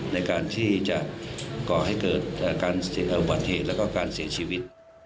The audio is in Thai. ในการที่จะก่อให้เกิดการเสียอุบัติเหตุแล้วก็การเสียชีวิต